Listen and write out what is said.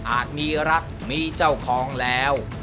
มีรักมีเจ้าของแล้ว